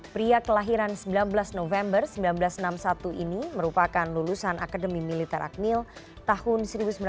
pria kelahiran sembilan belas november seribu sembilan ratus enam puluh satu ini merupakan lulusan akademi militer akmil tahun seribu sembilan ratus sembilan puluh